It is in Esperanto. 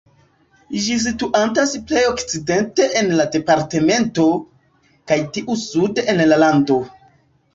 Ĝi situantas plej okcidente en la departemento, kaj tiu sude en la lando.